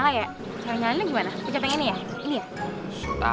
pijat pengen nih ya